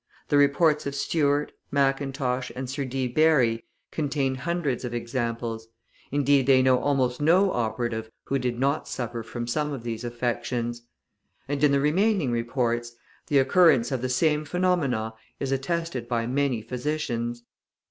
The reports of Stuart, Mackintosh, and Sir D. Barry contain hundreds of examples; indeed, they know almost no operative who did not suffer from some of these affections; and in the remaining reports, the occurrence of the same phenomena is attested by many physicians.